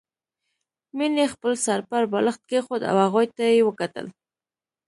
مينې خپل سر پر بالښت کېښود او هغوی ته يې وکتل